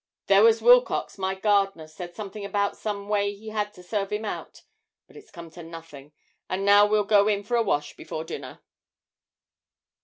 There was Wilcox, my gardener, said something about some way he had to serve him out but it's come to nothing. And now we'll go in for a wash before dinner.'